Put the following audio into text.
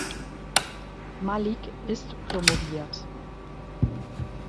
Malik ist promoviert.